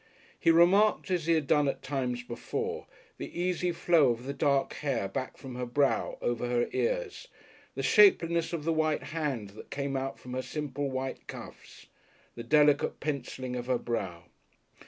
He remarked, as he had done at times before, the easy flow of the dark hair back from her brow over her ears, the shapeliness of the white hands that came out from her simple white cuffs, the delicate pencilling of her brow.